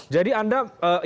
jadi anda yakin